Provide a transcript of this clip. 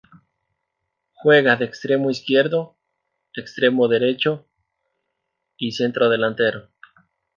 Juega de extremo izquierdo, extremo derecho, y centrodelantero.